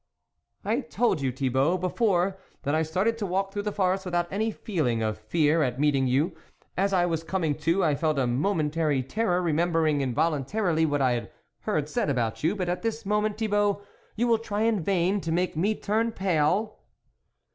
"I told you, Thibault, before, that I started to walk through the forest without any feeling of fear at meeting you. As I was coming to, I felt a momentary terror, remembering involuntarily what I had heard said about you ; but at this mo ment, Thibault, you will try in vain to make me turn pale."